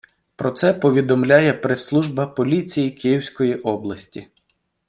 Про це повідомляє прес-служба поліції Київської області.